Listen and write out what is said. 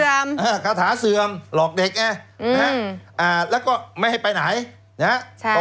คาถาเสื่อมหลอกเด็กไงแล้วก็ไม่ให้ไปไหนนะฮะ